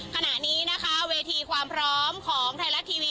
ขณะนี้นะคะเวทีความพร้อมของไทยรัฐทีวี